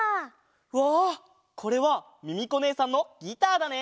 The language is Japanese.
うわこれはミミコねえさんのギターだね。